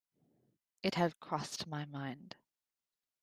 It had crossed my mind.